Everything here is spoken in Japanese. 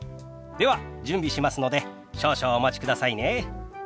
では準備しますので少々お待ちくださいね。